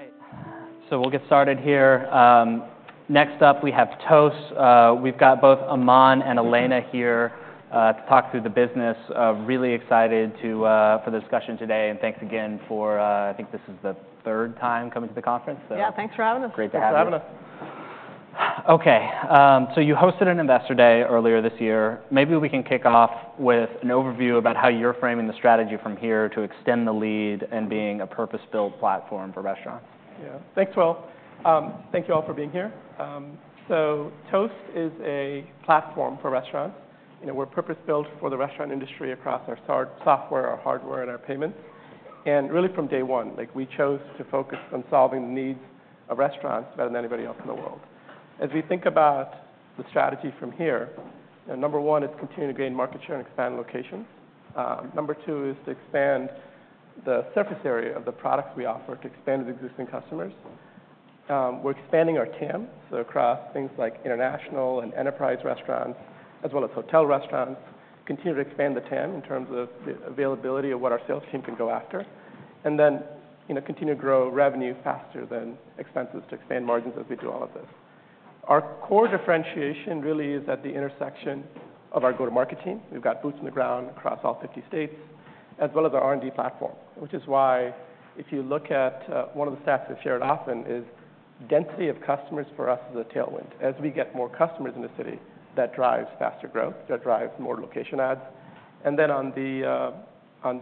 All right, so we'll get started here. Next up, we have Toast. We've got both Aman and Elena here to talk through the business. Really excited for the discussion today, and thanks again, I think this is the third time coming to the conference, so- Yeah, thanks for having us. Great to have you. Thanks for having us. Okay, so you hosted an investor day earlier this year. Maybe we can kick off with an overview about how you're framing the strategy from here to extend the lead and being a purpose-built platform for restaurants. Yeah. Thanks, Will. Thank you all for being here. So Toast is a platform for restaurants. You know, we're purpose-built for the restaurant industry across our SaaS software, our hardware, and our payments. And really, from day one, like, we chose to focus on solving the needs of restaurants better than anybody else in the world. As we think about the strategy from here, number one, it's continuing to gain market share and expand locations. Number two is to expand the surface area of the products we offer to expand with existing customers. We're expanding our TAM, so across things like international and enterprise restaurants, as well as hotel restaurants, continue to expand the TAM in terms of the availability of what our sales team can go after. And then, you know, continue to grow revenue faster than expenses to expand margins as we do all of this. Our core differentiation really is at the intersection of our go-to-market team. We've got boots on the ground across all 50 states, as well as our R&D platform, which is why if you look at one of the stats that's shared often, is density of customers for us is a tailwind. As we get more customers in the city, that drives faster growth, that drives more location adds. And then on the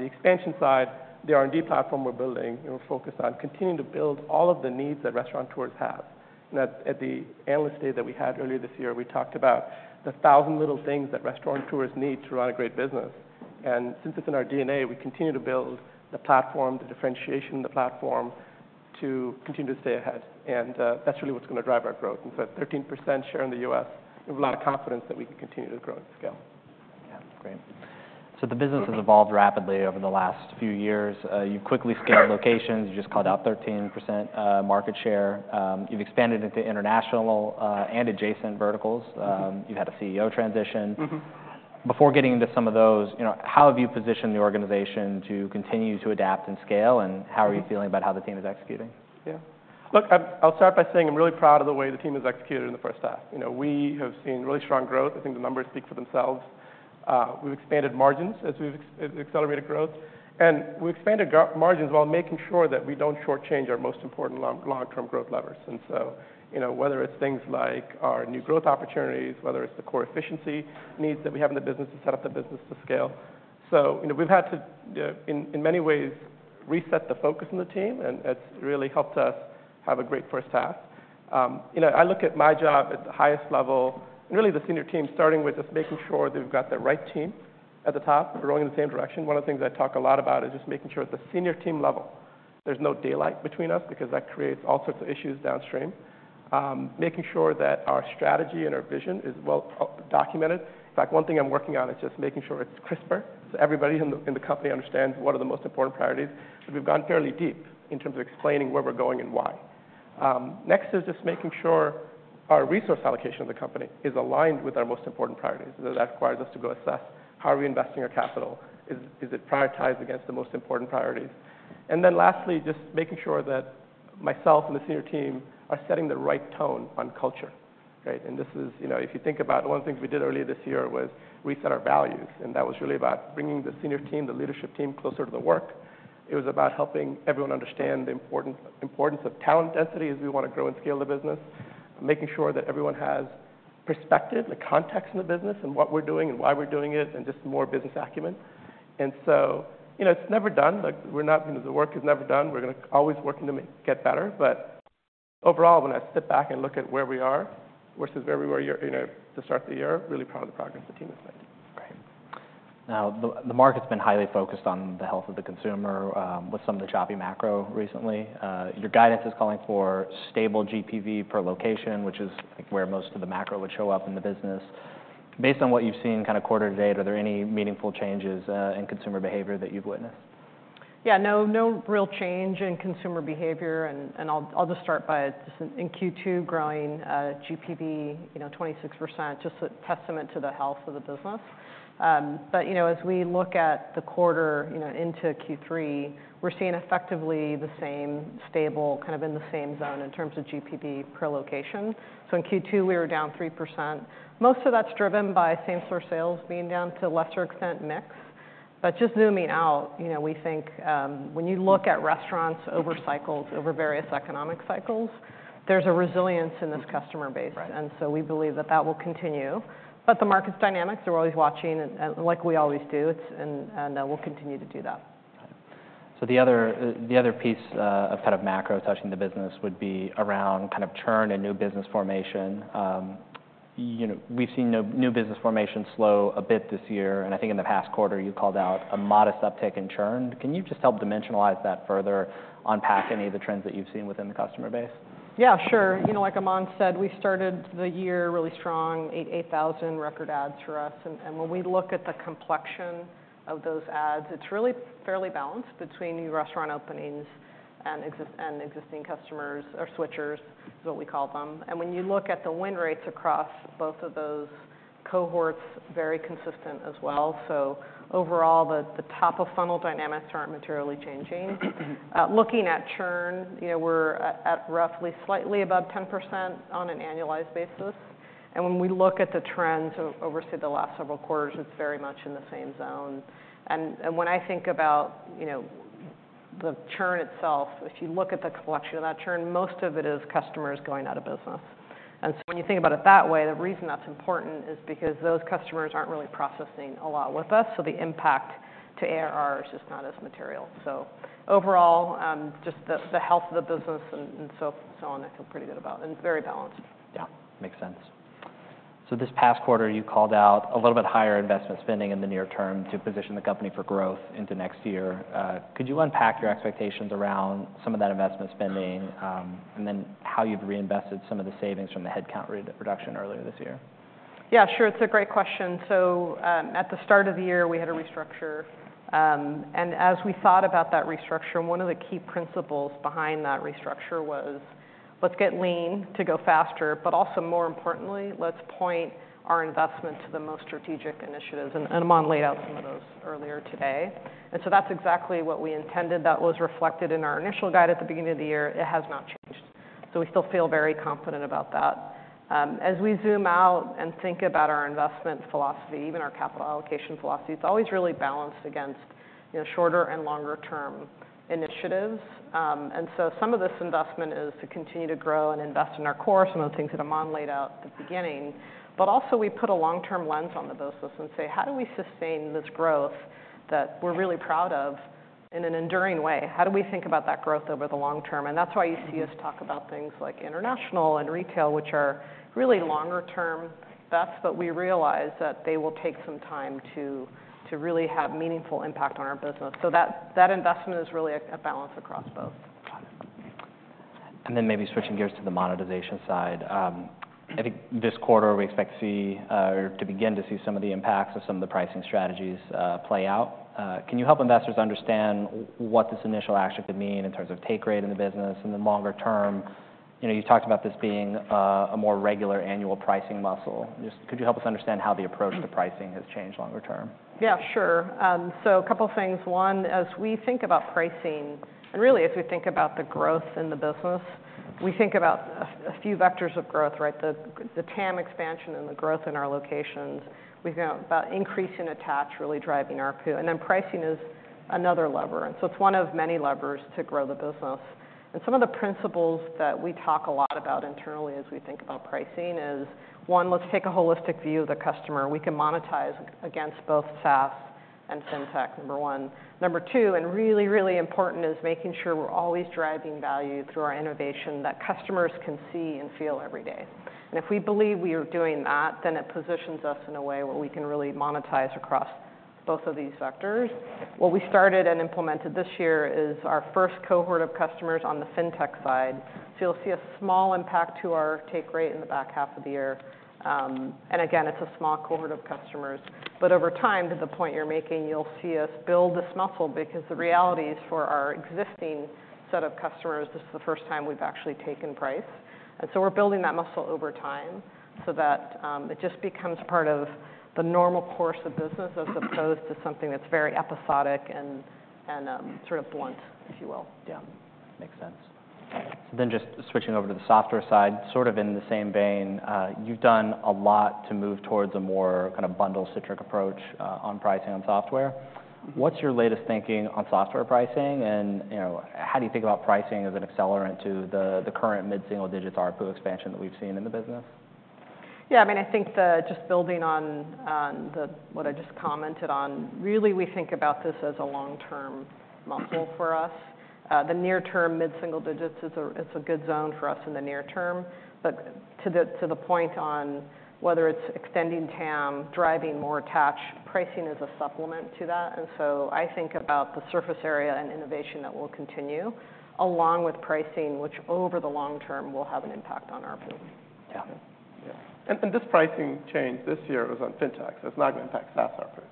expansion side, the R&D platform we're building, and we're focused on continuing to build all of the needs that restaurateurs have. And at the analyst day that we had earlier this year, we talked about the thousand little things that restaurateurs need to run a great business. And since it's in our DNA, we continue to build the platform, the differentiation in the platform, to continue to stay ahead, and that's really what's going to drive our growth. And so at 13% share in the U.S., we have a lot of confidence that we can continue to grow and scale. Yeah, great. So the business has evolved rapidly over the last few years. You quickly scaled locations, you just called out 13% market share. You've expanded into international and adjacent verticals. Mm-hmm. You've had a CEO transition. Mm-hmm. Before getting into some of those, you know, how have you positioned the organization to continue to adapt and scale, and how are you feeling about how the team is executing? Yeah. Look, I'll start by saying I'm really proud of the way the team has executed in the first half. You know, we have seen really strong growth. I think the numbers speak for themselves. We've expanded margins as we've accelerated growth, and we've expanded margins while making sure that we don't shortchange our most important long, long-term growth levers, and so, you know, whether it's things like our new growth opportunities, whether it's the core efficiency needs that we have in the business to set up the business to scale, so you know, we've had to, in many ways, reset the focus on the team, and it's really helped us have a great first half. You know, I look at my job at the highest level, and really the senior team, starting with just making sure they've got the right team at the top, rowing in the same direction. One of the things I talk a lot about is just making sure at the senior team level, there's no daylight between us, because that creates all sorts of issues downstream. Making sure that our strategy and our vision is well documented. In fact, one thing I'm working on is just making sure it's crisper, so everybody in the company understands what are the most important priorities. So we've gone fairly deep in terms of explaining where we're going and why. Next is just making sure our resource allocation of the company is aligned with our most important priorities. So that requires us to go assess how are we investing our capital? Is it prioritized against the most important priorities? And then lastly, just making sure that myself and the senior team are setting the right tone on culture, okay? And this is... You know, if you think about one of the things we did earlier this year was reset our values, and that was really about bringing the senior team, the leadership team, closer to the work. It was about helping everyone understand the importance of talent density as we want to grow and scale the business, making sure that everyone has perspective, like context in the business, and what we're doing and why we're doing it, and just more business acumen. And so, you know, it's never done, like we're not... you know, the work is never done. We're gonna always working to make it get better. But overall, when I sit back and look at where we are versus where we were year, you know, the start of the year, really proud of the progress the team has made. Great. Now, the market's been highly focused on the health of the consumer, with some of the choppy macro recently. Your guidance is calling for stable GPV per location, which is like where most of the macro would show up in the business. Based on what you've seen kind of quarter to date, are there any meaningful changes in consumer behavior that you've witnessed? Yeah, no, no real change in consumer behavior, and I'll just start by just in Q2, growing GPV, you know, 26%, just a testament to the health of the business, but you know, as we look at the quarter into Q3, we're seeing effectively the same stable, kind of in the same zone in terms of GPV per location. So in Q2, we were down 3%. Most of that's driven by same-store sales being down to a lesser extent mix, but just zooming out, you know, we think when you look at restaurants over cycles, over various economic cycles, there's a resilience in this customer base. Right. And so we believe that will continue. But the market's dynamics, we're always watching, and like we always do, it's... And we'll continue to do that. So the other piece of kind of macro touching the business would be around kind of churn and new business formation. You know, we've seen new business formation slow a bit this year, and I think in the past quarter, you called out a modest uptick in churn. Can you just help dimensionalize that further, unpack any of the trends that you've seen within the customer base? Yeah, sure. You know, like Aman said, we started the year really strong, 8,000 record adds for us. And when we look at the complexion of those adds, it's really fairly balanced between new restaurant openings and existing customers or switchers, is what we call them. And when you look at the win rates across both of those cohorts very consistent as well. So overall, the top of funnel dynamics aren't materially changing. Looking at churn, you know, we're at roughly slightly above 10% on an annualized basis. And when we look at the trends over, say, the last several quarters, it's very much in the same zone. And when I think about, you know, the churn itself, if you look at the complexion of that churn, most of it is customers going out of business. And so when you think about it that way, the reason that's important is because those customers aren't really processing a lot with us, so the impact to ARR is just not as material. So overall, just the health of the business and so on, I feel pretty good about, and it's very balanced. Yeah, makes sense. So this past quarter, you called out a little bit higher investment spending in the near term to position the company for growth into next year. Could you unpack your expectations around some of that investment spending, and then how you've reinvested some of the savings from the headcount reduction earlier this year? Yeah, sure. It's a great question. So, at the start of the year, we had a restructure. And as we thought about that restructure, one of the key principles behind that restructure was, let's get lean to go faster, but also, more importantly, let's point our investment to the most strategic initiatives, and Aman laid out some of those earlier today. And so that's exactly what we intended. That was reflected in our initial guide at the beginning of the year. It has not changed. So we still feel very confident about that. As we zoom out and think about our investment philosophy, even our capital allocation philosophy, it's always really balanced against, you know, shorter and longer term initiatives. And so some of this investment is to continue to grow and invest in our core, some of the things that Aman laid out at the beginning. But also, we put a long-term lens on the business and say: How do we sustain this growth that we're really proud of in an enduring way? How do we think about that growth over the long term? And that's why you see us talk about things like international and retail, which are really longer term bets, but we realize that they will take some time to really have meaningful impact on our business. So that investment is really a balance across both. Got it. And then maybe switching gears to the monetization side. I think this quarter, we expect to see, or to begin to see some of the impacts of some of the pricing strategies, play out. Can you help investors understand what this initial action could mean in terms of take rate in the business, and then longer term? You know, you talked about this being, a more regular annual pricing muscle. Just could you help us understand how the approach to pricing has changed longer term? Yeah, sure. So a couple of things. One, as we think about pricing, really, as we think about the growth in the business, we think about a few vectors of growth, right? The TAM expansion and the growth in our locations. We think about increasing attach, really driving ARPU, and then pricing is another lever. And so it's one of many levers to grow the business. And some of the principles that we talk a lot about internally as we think about pricing is, one, let's take a holistic view of the customer. We can monetize against both SaaS and fintech, number one. Number two, and really, really important, is making sure we're always driving value through our innovation that customers can see and feel every day. And if we believe we are doing that, then it positions us in a way where we can really monetize across both of these sectors. What we started and implemented this year is our first cohort of customers on the fintech side. So you'll see a small impact to our take rate in the back half of the year. And again, it's a small cohort of customers, but over time, to the point you're making, you'll see us build this muscle because the reality is, for our existing set of customers, this is the first time we've actually taken price. And so we're building that muscle over time so that, it just becomes part of the normal course of business, as opposed to something that's very episodic and, sort of blunt, if you will. Yeah, makes sense. So then just switching over to the software side, sort of in the same vein, you've done a lot to move towards a more kind of bundle-centric approach, on pricing on software. What's your latest thinking on software pricing? And, you know, how do you think about pricing as an accelerant to the current mid-single digits ARPU expansion that we've seen in the business? Yeah, I mean, I think the just building on what I just commented on, really, we think about this as a long-term muscle for us. The near term, mid-single digits is it's a good zone for us in the near term. But to the point on whether it's extending TAM, driving more attached, pricing is a supplement to that. And so I think about the surface area and innovation that will continue, along with pricing, which over the long term, will have an impact on ARPU. Yeah. Yeah. This pricing change this year was on fintech, so it's not going to impact SaaS software.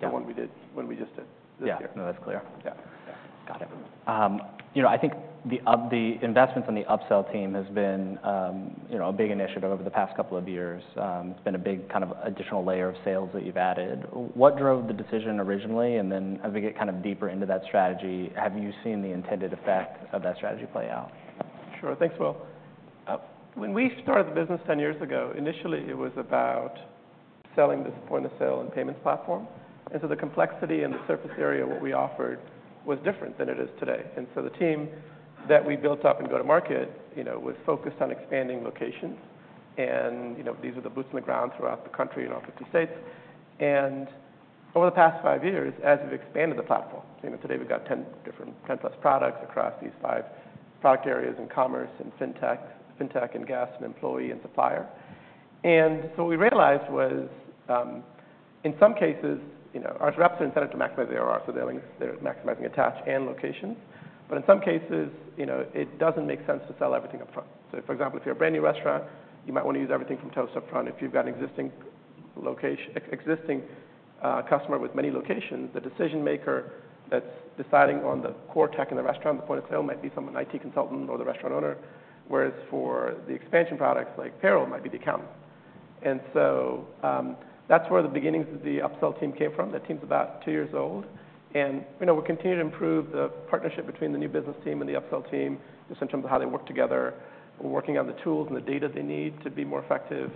Yeah. The one we did, one we just did this year. Yeah. No, that's clear. Yeah. Got it. You know, I think the investments on the upsell team has been, you know, a big initiative over the past couple of years. It's been a big kind of additional layer of sales that you've added. What drove the decision originally? And then as we get kind of deeper into that strategy, have you seen the intended effect of that strategy play out? Sure. Thanks, Will. When we started the business ten years ago, initially it was about selling this point-of-sale and payments platform. And so the complexity and the surface area, what we offered, was different than it is today. And so the team that we built up and go to market, you know, was focused on expanding locations. And, you know, these are the boots on the ground throughout the country in all 50 states. And over the past five years, as we've expanded the platform, you know, today we've got ten different-ten plus products across these five product areas in commerce and fintech, gas and employee and supplier. And so what we realized was, in some cases, you know, our reps are incented to maximize the ARR, so they're maximizing attach and location. In some cases, you know, it doesn't make sense to sell everything up front. For example, if you're a brand new restaurant, you might want to use everything from Toast upfront. If you've got an existing customer with many locations, the decision maker that's deciding on the core tech in the restaurant, the point of sale, might be someone, an IT consultant or the restaurant owner, whereas for the expansion products like payroll, it might be the accountant. That's where the beginnings of the upsell team came from. That team's about two years old, and, you know, we're continuing to improve the partnership between the new business team and the upsell team, just in terms of how they work together. We're working on the tools and the data they need to be more effective.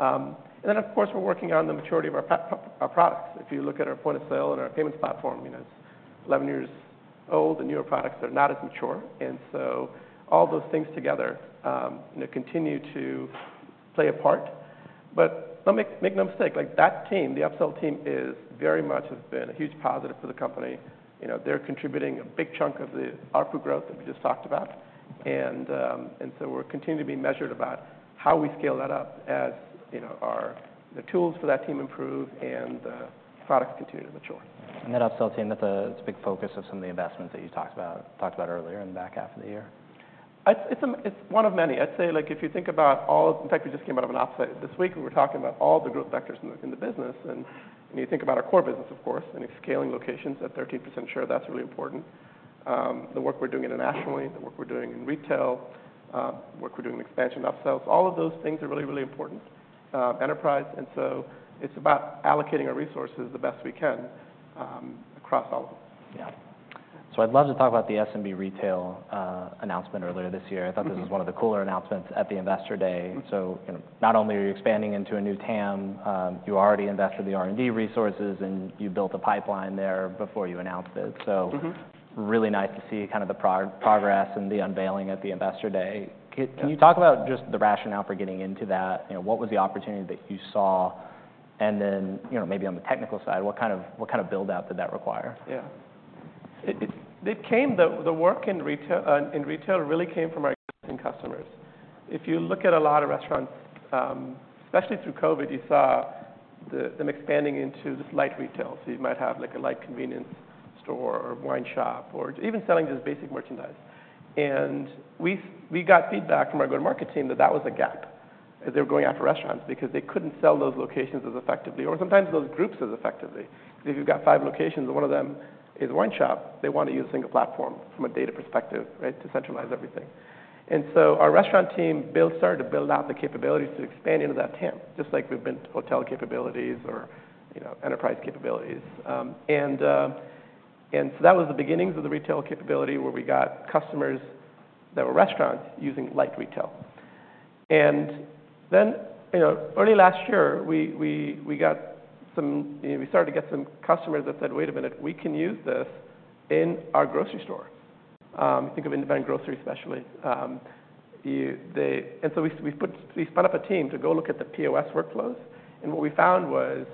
And then, of course, we're working on the maturity of our products. If you look at our point of sale and our payments platform, you know, it's 11 years old, the newer products are not as mature, and so all those things together, you know, continue to play a part. But let me make no mistake, like, that team, the upsell team, is very much has been a huge positive for the company. You know, they're contributing a big chunk of the ARPU growth that we just talked about. And so we're continuing to be measured about how we scale that up as, you know, the tools for that team improve and the products continue to mature. That upsell team, that's, it's a big focus of some of the investments that you talked about earlier in the back half of the year? It's one of many. I'd say, like, if you think about all... In fact, we just came out of an off-site this week, and we're talking about all the growth vectors in the business. When you think about our core business, of course, and it's scaling locations at 13% share, that's really important. The work we're doing internationally, the work we're doing in retail, work we're doing in expansion upsells, all of those things are really, really important, enterprise, and so it's about allocating our resources the best we can, across all of them. Yeah. So I'd love to talk about the SMB retail announcement earlier this year. Mm-hmm. I thought this was one of the cooler announcements at the Investor Day. Mm. So, you know, not only are you expanding into a new TAM, you already invested the R&D resources, and you built a pipeline there before you announced it. Mm-hmm. So really nice to see kind of the progress and the unveiling at the Investor Day. Yeah. Can you talk about just the rationale for getting into that? You know, what was the opportunity that you saw? And then, you know, maybe on the technical side, what kind of build-out did that require? Yeah. The work in retail really came from our existing customers. If you look at a lot of restaurants, especially through COVID, you saw them expanding into this light retail. So you might have, like, a light convenience store or wine shop or even selling just basic merchandise. And we got feedback from our go-to-market team that that was a gap as they were going after restaurants because they couldn't sell those locations as effectively or sometimes those groups as effectively. So if you've got five locations and one of them is a wine shop, they want to use a single platform from a data perspective, right? To centralize everything. And so our restaurant team started to build out the capabilities to expand into that TAM, just like we've built hotel capabilities or, you know, enterprise capabilities. And so that was the beginnings of the retail capability, where we got customers that were restaurants using light retail. And then, you know, early last year, we got some. We started to get some customers that said, "Wait a minute, we can use this in our grocery store." Think of independent grocery, especially. And so we spun up a team to go look at the POS workflows, and what we found was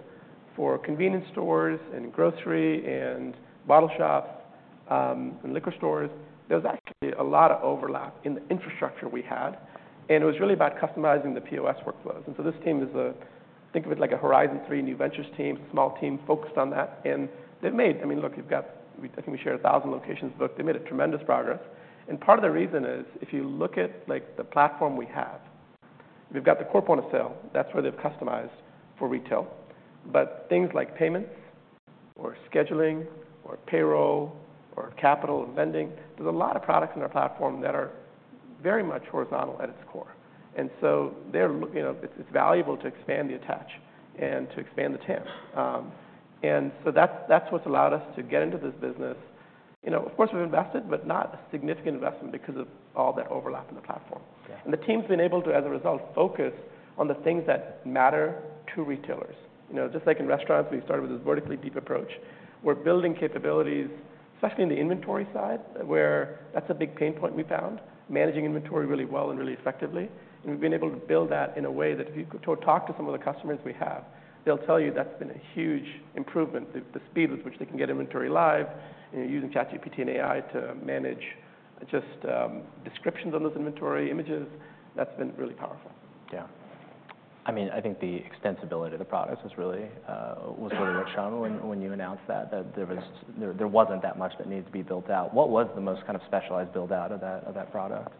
for convenience stores and grocery and bottle shops, and liquor stores, there was actually a lot of overlap in the infrastructure we had, and it was really about customizing the POS workflows. And so this team is, think of it like a horizon three, new ventures team, small team focused on that, and they've made. I mean, look, we've got, I think we share a thousand locations, but they made a tremendous progress. And part of the reason is, if you look at, like, the platform we have, we've got the core point of sale. That's where they've customized for retail. But things like payments or scheduling or payroll or capital and lending, there's a lot of products in our platform that are very much horizontal at its core. And so you know, it's, it's valuable to expand the attach and to expand the TAM. And so that's, that's what's allowed us to get into this business. You know, of course, we've invested, but not a significant investment because of all that overlap in the platform. Yeah. The team's been able to, as a result, focus on the things that matter to retailers. You know, just like in restaurants, we've started with this vertically deep approach. We're building capabilities, especially in the inventory side, where that's a big pain point we found, managing inventory really well and really effectively. And we've been able to build that in a way that if you go talk to some of the customers we have, they'll tell you that's been a huge improvement, the speed with which they can get inventory live, and using ChatGPT and AI to manage just descriptions on those inventory images. That's been really powerful. Yeah. I mean, I think the extensibility of the products was really what shone- Yeah... when you announced that there was- Yeah... there wasn't that much that needed to be built out. What was the most kind of specialized build-out of that product?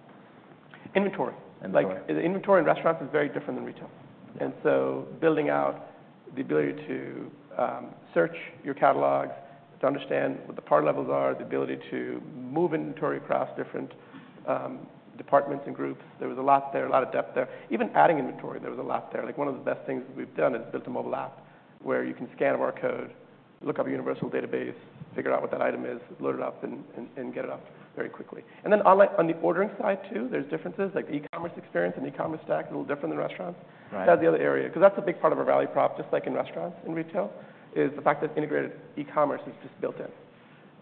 Inventory. Inventory. Like, inventory in restaurants is very different than retail. Yeah. And so building out the ability to search your catalog, to understand what the par levels are, the ability to move inventory across different departments and groups, there was a lot there, a lot of depth there. Even adding inventory, there was a lot there. Like, one of the best things we've done is built a mobile app where you can scan a barcode, look up a universal database, figure out what that item is, load it up, and get it up very quickly. And then, like, on the ordering side, too, there's differences, like the e-commerce experience and e-commerce stack is a little different than restaurants. Right. That's the other area, 'cause that's a big part of our value prop, just like in restaurants, in retail, is the fact that integrated e-commerce is just built in.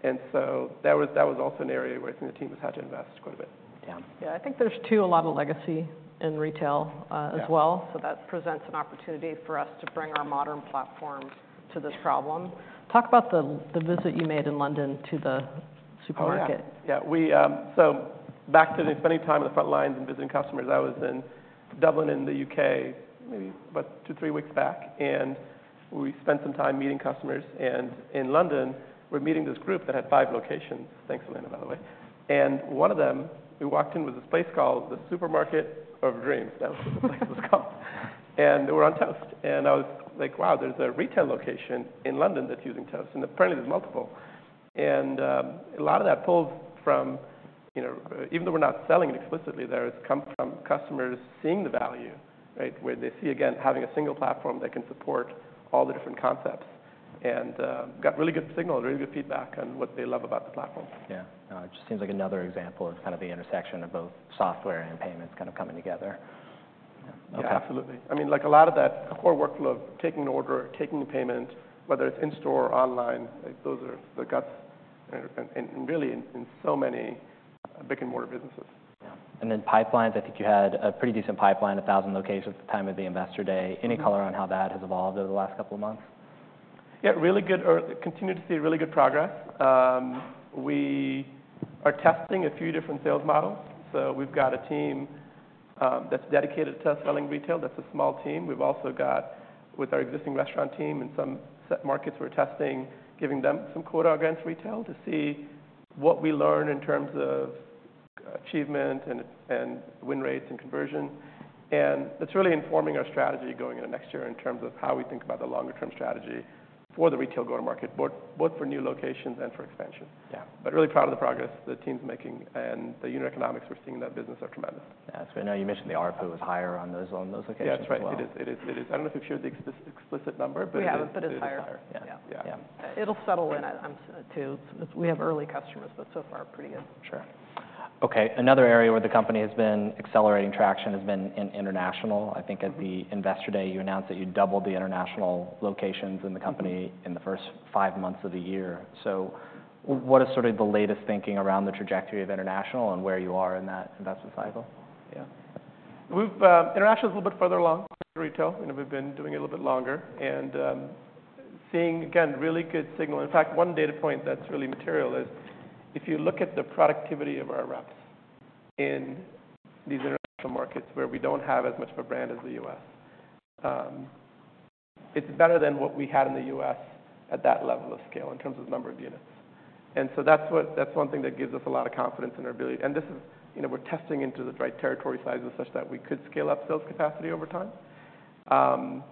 And so that was, that was also an area where the team has had to invest quite a bit. Yeah. Yeah, I think there's too a lot of legacy in retail. Yeah... as well, so that presents an opportunity for us to bring our modern platform to this problem. Talk about the visit you made in London to the supermarket. Oh, yeah. Yeah, we... so back to the spending time on the front lines and visiting customers, I was in Dublin, in the U.K., maybe about two, three weeks back, and we spent some time meeting customers, and in London, we're meeting this group that had five locations. Thanks, Elena, by the way, and one of them, we walked in, was this place called the Supermarket of Dreams. That was what the place was called... and they were on Toast, and I was like, "Wow, there's a retail location in London that's using Toast," and apparently, there's multiple, and a lot of that pulled from, you know, even though we're not selling it explicitly there, it's come from customers seeing the value, right? Where they see, again, having a single platform that can support all the different concepts, and, got really good signal, really good feedback on what they love about the platform. Yeah. It just seems like another example of kind of the intersection of both software and payments kind of coming together. Yeah, okay. Yeah, absolutely. I mean, like a lot of that core workflow of taking the order, taking the payment, whether it's in-store or online, like, those are the guts, and really in so many brick-and-mortar businesses. Yeah. And then pipelines, I think you had a pretty decent pipeline, a thousand locations at the time of the Investor Day. Mm-hmm. Any color on how that has evolved over the last couple of months? Yeah, really good. We continue to see really good progress, so we've got a team that's dedicated to selling retail. That's a small team. We've also got with our existing restaurant team in some select markets, we're testing, giving them some quota against retail to see what we learn in terms of achievement and win rates and conversion, and it's really informing our strategy going into next year in terms of how we think about the longer-term strategy for the retail go-to-market, both for new locations and for expansion. Yeah. But really proud of the progress the team's making and the unit economics we're seeing in that business are tremendous. Yeah, so I know you mentioned the ARPU was higher on those, on those locations as well. Yeah, it's right. It is. I don't know if we've shared the explicit number, but- We haven't, but it's higher. It is higher. Yeah. Yeah. Yeah. It'll settle in, too. We have early customers, but so far, pretty good. Sure. Okay, another area where the company has been accelerating traction has been in international. Mm-hmm. I think at the Investor Day, you announced that you doubled the international locations in the company. Mm-hmm... in the first five months of the year. So what is sort of the latest thinking around the trajectory of international and where you are in that investment cycle? Yeah. International is a little bit further along than retail, and we've been doing it a little bit longer and seeing, again, really good signal. In fact, one data point that's really material is if you look at the productivity of our reps in these international markets, where we don't have as much of a brand as the U.S., it's better than what we had in the U.S. at that level of scale, in terms of number of units. And so that's one thing that gives us a lot of confidence in our ability. And this is, you know, we're testing into the right territory sizes such that we could scale up sales capacity over time.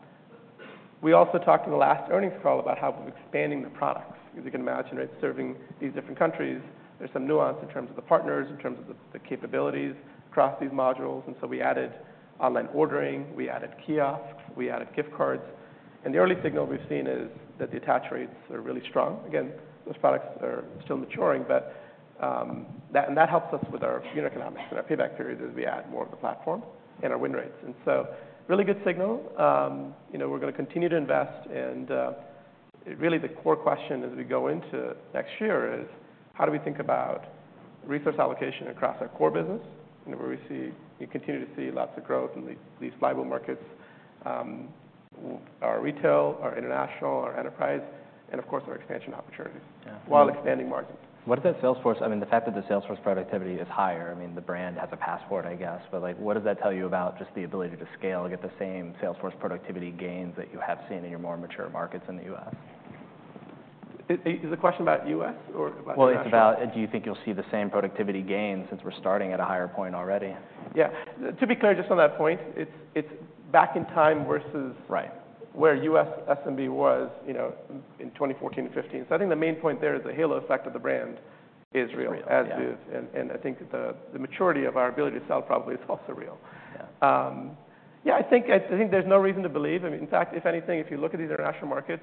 We also talked in the last earnings call about how we're expanding the products. As you can imagine, it's serving these different countries. There's some nuance in terms of the partners, in terms of the capabilities across these modules, and so we added online ordering, we added kiosks, we added gift cards, and the early signal we've seen is that the attach rates are really strong. Again, those products are still maturing, but, and that helps us with our unit economics and our payback period as we add more of the platform. Yeah... and our win rates. And so really good signal. You know, we're going to continue to invest, and really, the core question as we go into next year is: How do we think about resource allocation across our core business? You know, where we see- we continue to see lots of growth in these flywheel markets, our retail, our international, our enterprise, and of course, our expansion opportunities- Yeah while expanding margins. What does that sales force- I mean, the fact that the sales force productivity is higher, I mean, the brand has a passport, I guess. But, like, what does that tell you about just the ability to scale and get the same sales force productivity gains that you have seen in your more mature markets in the U.S.? Is the question about U.S. or about international? It's about: Do you think you'll see the same productivity gains since we're starting at a higher point already? Yeah. To be clear, just on that point, it's, it's back in time versus- Right... where U.S. SMB was, you know, in 2014 to 2015. So I think the main point there is the halo effect of the brand is real- It's real, yeah.... as is, and I think the maturity of our ability to sell probably is also real. Yeah. Yeah, I think there's no reason to believe, I mean, in fact, if anything, if you look at these international markets,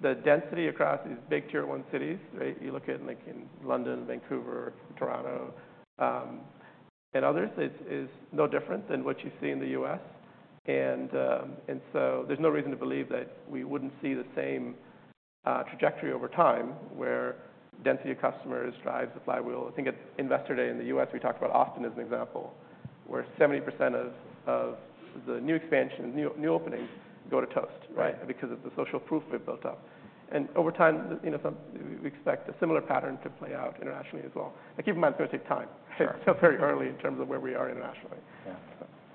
the density across these big Tier 1 cities, right? You look at, like, in London, Vancouver, Toronto, and others, it's no different than what you see in the U.S. And so there's no reason to believe that we wouldn't see the same trajectory over time, where density of customers drives the flywheel. I think at Investor Day in the U.S., we talked about Austin as an example, where 70% of the new expansion, new openings go to Toast- Right... because of the social proof we've built up. And over time, you know, we expect a similar pattern to play out internationally as well. But keep in mind, it's going to take time. Sure. It's still very early in terms of where we are internationally.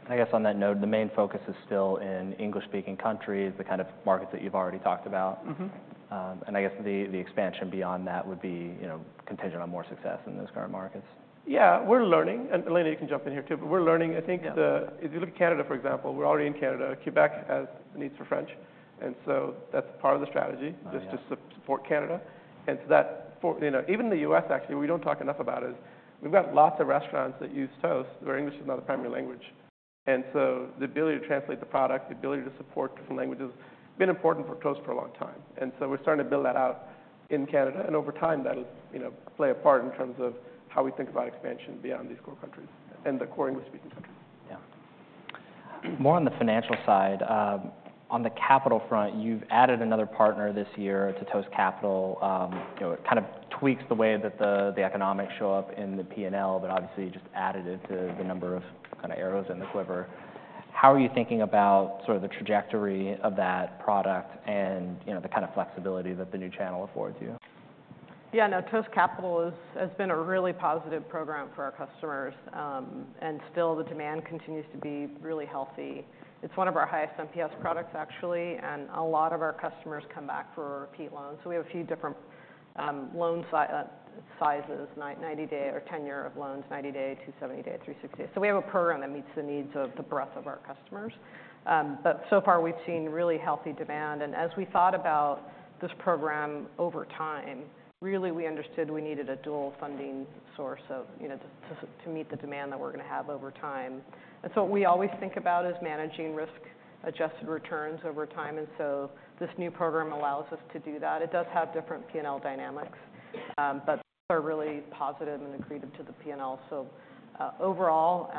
Yeah. I guess on that note, the main focus is still in English-speaking countries, the kind of markets that you've already talked about. Mm-hmm. And I guess the expansion beyond that would be, you know, contingent on more success in those current markets. Yeah, we're learning, and Elena, you can jump in here, too, but we're learning. Yeah. I think. If you look at Canada, for example, we're already in Canada. Quebec has needs for French, and so that's part of the strategy- Oh, yeah... just to support Canada. You know, even the U.S., actually, we don't talk enough about it, we've got lots of restaurants that use Toast, where English is not their primary language. And so the ability to translate the product, the ability to support different languages, has been important for Toast for a long time. And so we're starting to build that out in Canada, and over time, that'll, you know, play a part in terms of how we think about expansion beyond these core countries and the core English-speaking countries. Yeah. More on the financial side, on the capital front, you've added another partner this year to Toast Capital. You know, it kind of tweaks the way that the economics show up in the PNL, but obviously, you just added it to the number of kind of arrows in the quiver. How are you thinking about sort of the trajectory of that product and, you know, the kind of flexibility that the new channel affords you? Yeah, I know Toast Capital has been a really positive program for our customers, and still the demand continues to be really healthy. It's one of our highest NPS products, actually, and a lot of our customers come back for repeat loans. So we have a few different loan sizes, 90-day or tenure of loans, 90-day, 270-day, 360 days. So we have a program that meets the needs of the breadth of our customers. But so far, we've seen really healthy demand, and as we thought about this program over time, really, we understood we needed a dual funding source, you know, to meet the demand that we're going to have over time. And so what we always think about is managing risk, adjusted returns over time, and so this new program allows us to do that. It does have different P&L dynamics, but are really positive and accretive to the P&L. So, overall,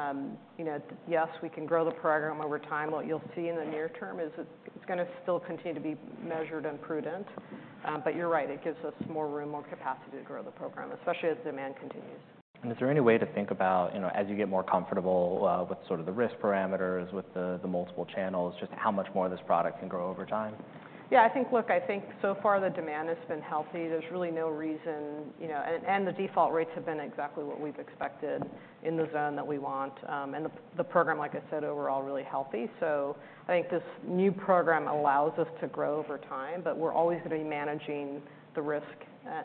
you know, yes, we can grow the program over time. What you'll see in the near term is it's gonna still continue to be measured and prudent, but you're right, it gives us more room, more capacity to grow the program, especially as demand continues. Is there any way to think about, you know, as you get more comfortable with sort of the risk parameters, with the multiple channels, just how much more this product can grow over time? Yeah, I think... Look, I think so far the demand has been healthy. There's really no reason, you know, and the default rates have been exactly what we've expected in the zone that we want, and the program, like I said, overall really healthy. So I think this new program allows us to grow over time, but we're always going to be managing the risk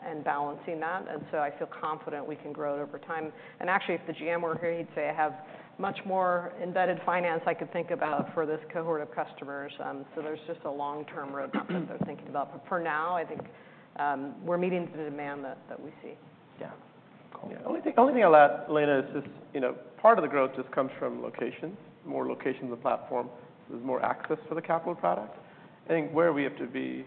and balancing that, and so I feel confident we can grow it over time, and actually, if the GM were here, he'd say, I have much more embedded finance I could think about for this cohort of customers, so there's just a long-term roadmap that they're thinking about, but for now, I think we're meeting the demand that we see. Yeah. Cool. The only thing, the only thing I'll add, Elena, is just, you know, part of the growth just comes from locations, more locations in the platform. There's more access to the capital product. I think where we have to be,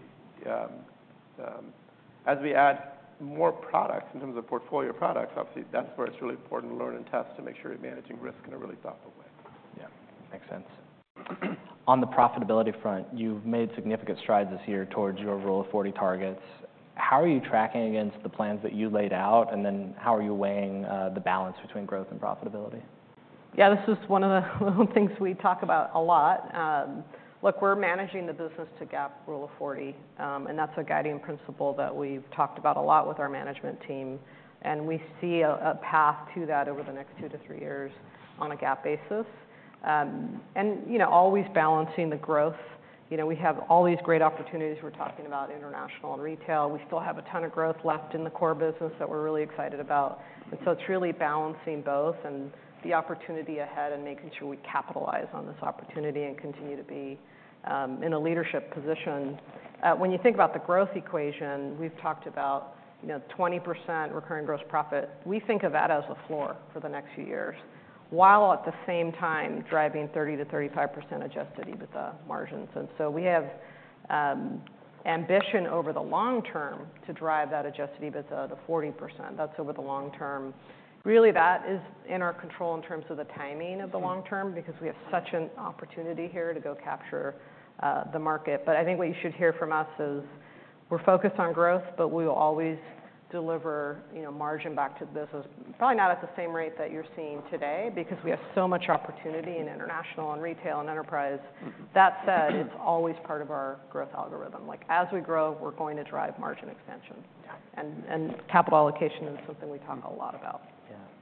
as we add more products in terms of portfolio products, obviously, that's where it's really important to learn and test to make sure you're managing risk in a really thoughtful way. Yeah, makes sense. On the profitability front, you've made significant strides this year towards your Rule of 40 targets. How are you tracking against the plans that you laid out, and then how are you weighing the balance between growth and profitability? Yeah, this is one of the little things we talk about a lot. Look, we're managing the business to GAAP Rule of 40, and that's a guiding principle that we've talked about a lot with our management team, and we see a path to that over the next two to three years on a GAAP basis. And, you know, always balancing the growth. You know, we have all these great opportunities. We're talking about international and retail. We still have a ton of growth left in the core business that we're really excited about. And so it's really balancing both and the opportunity ahead and making sure we capitalize on this opportunity and continue to be in a leadership position. When you think about the growth equation, we've talked about, you know, 20% recurring gross profit. We think of that as a floor for the next few years, while at the same time driving 30%-35% adjusted EBITDA margins, and so we have ambition over the long term to drive that adjusted EBITDA to 40%. That's over the long term. Really, that is in our control in terms of the timing of the long term, because we have such an opportunity here to go capture the market, but I think what you should hear from us is, we're focused on growth, but we will always deliver, you know, margin back to the business. Probably not at the same rate that you're seeing today, because we have so much opportunity in international, and retail, and enterprise. That said, it's always part of our growth algorithm. Like, as we grow, we're going to drive margin expansion. Yeah. Capital allocation is something we talk a lot about.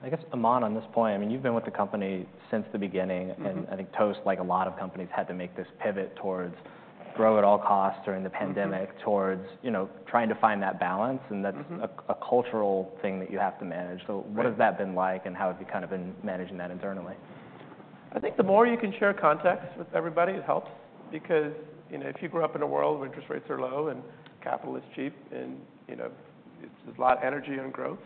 Yeah. I guess, Aman, on this point, I mean, you've been with the company since the beginning- Mm-hmm. and I think Toast, like a lot of companies, had to make this pivot towards growth at all costs during the pandemic. Mm-hmm. toward, you know, trying to find that balance, and that's- Mm-hmm a cultural thing that you have to manage. Right. So what has that been like, and how have you kind of been managing that internally? I think the more you can share context with everybody, it helps because, you know, if you grew up in a world where interest rates are low and capital is cheap, and, you know, it's a lot of energy and growth,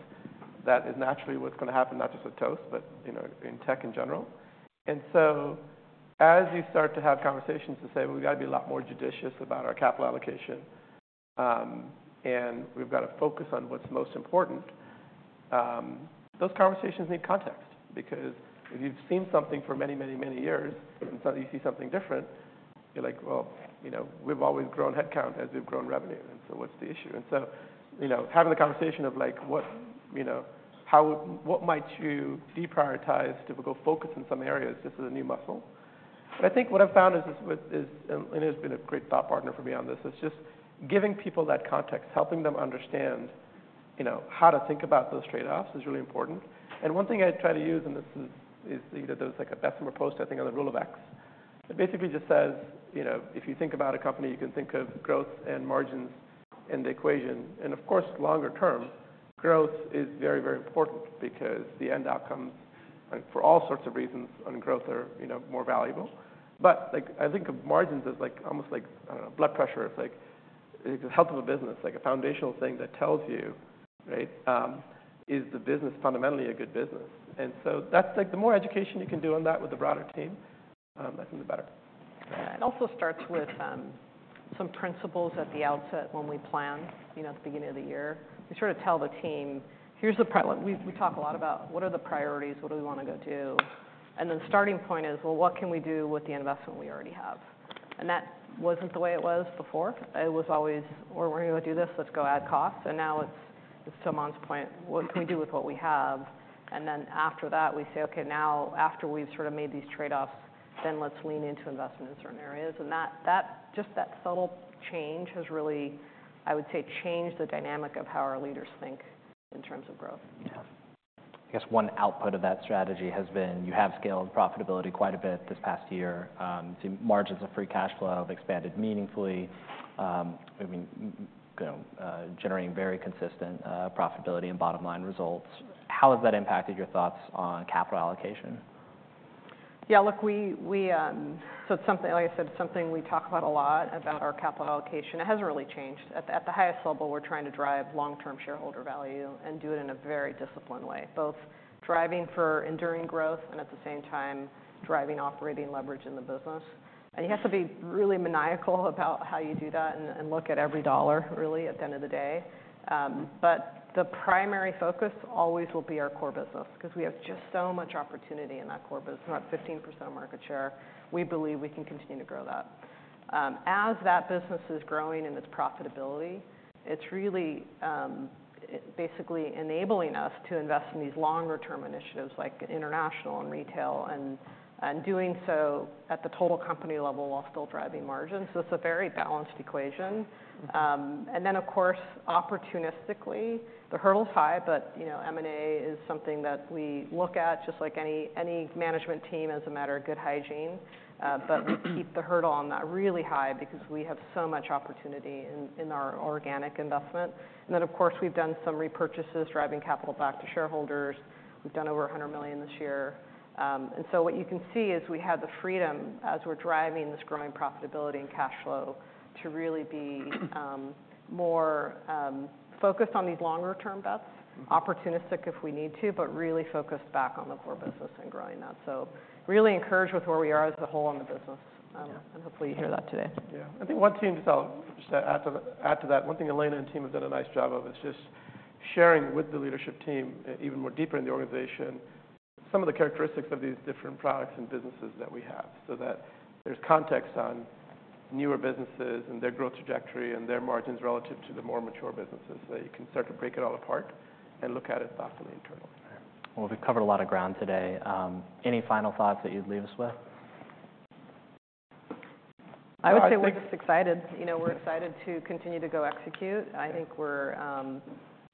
that is naturally what's going to happen, not just with Toast, but, you know, in tech in general, and so as you start to have conversations to say: We've got to be a lot more judicious about our capital allocation, and we've got to focus on what's most important, those conversations need context. Because if you've seen something for many, many, many years, and suddenly you see something different, you're like: Well, you know, we've always grown headcount as we've grown revenue, and so what's the issue? So, you know, having the conversation of, like, what, you know, what might you deprioritize to go focus in some areas, this is a new muscle. But I think what I've found is, with this, and it has been a great thought partner for me on this, is just giving people that context, helping them understand, you know, how to think about those trade-offs is really important. One thing I try to use, and this is, you know, there's, like, a Bessemer post, I think, on the Rule of X. It basically just says, you know, if you think about a company, you can think of growth and margins in the equation. Of course, longer term, growth is very, very important because the end outcomes, like, for all sorts of reasons on growth, are, you know, more valuable. But, like, I think of margins as, like, almost like, I don't know, blood pressure. It's like the health of a business, like a foundational thing that tells you, right, is the business fundamentally a good business? And so that's, like, the more education you can do on that with the broader team, I think the better. It also starts with some principles at the outset when we plan, you know, at the beginning of the year. We sort of tell the team. We talk a lot about what are the priorities, what do we want to go do? And the starting point is, well, what can we do with the investment we already have? And that wasn't the way it was before. It was always: Well, we're going to do this, let's go add costs. And now it's to Aman's point: What can we do with what we have? And then after that, we say: Okay, now after we've sort of made these trade-offs, then let's lean into investing in certain areas. And just that subtle change has really, I would say, changed the dynamic of how our leaders think in terms of growth. Yeah.... I guess one output of that strategy has been you have scaled profitability quite a bit this past year. Gross margins and free cash flow have expanded meaningfully. I mean, you know, generating very consistent profitability and bottom line results. How has that impacted your thoughts on capital allocation? Yeah, look, so it's something like I said. It's something we talk about a lot, about our capital allocation. It hasn't really changed. At the highest level, we're trying to drive long-term shareholder value and do it in a very disciplined way, both driving for enduring growth and at the same time, driving operating leverage in the business, and you have to be really maniacal about how you do that and look at every dollar really, at the end of the day, but the primary focus always will be our core business, 'cause we have just so much opportunity in that core business. We're at 15% market share. We believe we can continue to grow that. As that business is growing in its profitability, it's really basically enabling us to invest in these longer term initiatives like international and retail, and doing so at the total company level while still driving margins. So it's a very balanced equation, and then, of course, opportunistically, the hurdle is high, but you know, M&A is something that we look at, just like any management team, as a matter of good hygiene, but we keep the hurdle on that really high because we have so much opportunity in our organic investment, and then, of course, we've done some repurchases, driving capital back to shareholders. We've done over $100 million this year. And so what you can see is we have the freedom, as we're driving this growing profitability and cash flow, to really be more focused on these longer term bets, opportunistic if we need to, but really focused back on the core business and growing that, so really encouraged with where we are as a whole in the business, and hopefully you hear that today. Yeah. I think one thing just, I'll just add to that, one thing Elena and team have done a nice job of is just sharing with the leadership team, even more deeper in the organization, some of the characteristics of these different products and businesses that we have, so that there's context on newer businesses and their growth trajectory and their margins relative to the more mature businesses. So you can start to break it all apart and look at it thoughtfully internally. All right. Well, we've covered a lot of ground today. Any final thoughts that you'd leave us with? I would say we're just excited. You know, we're excited to continue to go execute. I think we're,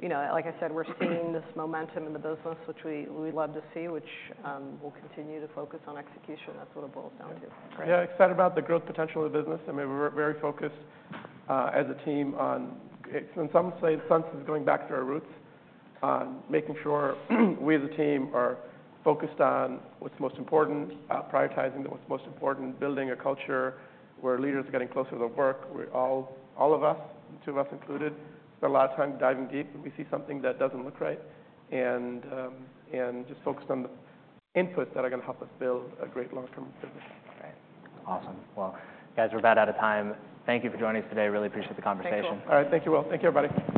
you know, like I said, we're seeing this momentum in the business, which we love to see, which we'll continue to focus on execution. That's what it boils down to. Yeah, excited about the growth potential of the business. I mean, we're very focused, as a team on, in some sense, going back to our roots, on making sure we, as a team, are focused on what's most important, prioritizing what's most important, building a culture where leaders are getting closer to work, where all, all of us, the two of us included, spend a lot of time diving deep, and we see something that doesn't look right, and, and just focused on the inputs that are going to help us build a great long-term business. Great. Awesome. Well, guys, we're about out of time. Thank you for joining us today. Really appreciate the conversation. Thank you. All right. Thank you, Will. Thank you, everybody.